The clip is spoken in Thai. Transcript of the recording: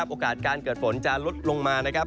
โอกาสการเกิดฝนจะลดลงมานะครับ